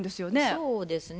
そうですね。